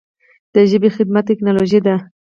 د ژبې خدمت ټکنالوژي ده.